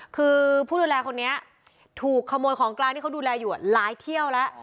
คือผู้ดูแลคนนี้ถูกขโมยของกลางที่เขาดูแลอยู่หลายเที่ยวแล้ว